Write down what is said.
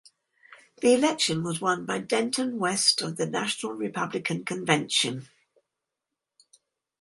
The election was won by Denton West of the National Republican Convention.